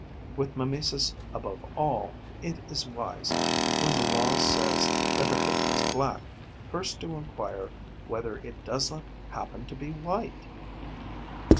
With mimesis above all, it is wise, when the law says that a thing is black, first to enquire whether it does not happen to be white.